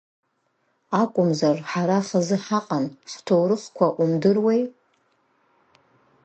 Акәымзар ҳара хазы ҳаҟан, ҳҭоурыхқәа умдыруеи…